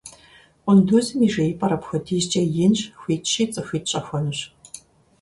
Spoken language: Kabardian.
Къундузым и жеипӀэр апхуэдизкӀэ инщ, хуитщи цӀыхуитӀ щӀэхуэнущ.